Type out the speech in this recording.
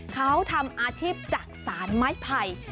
เขาทำอาชีพจักษานไม้ไผ่